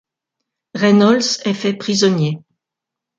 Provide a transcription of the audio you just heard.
Reynolds est fait prisonnier.